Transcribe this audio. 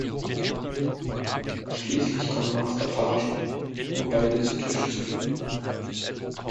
Schließlich kommt Master Page, um beide zu Tisch zu bitten.